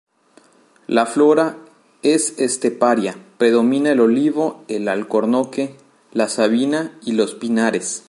La flora es esteparia, predomina, el olivo, el alcornoque, la sabina y los pinares.